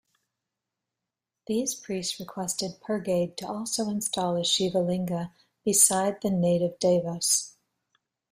These priests requested Pergade to also install a Shivalinga beside the native Daivas.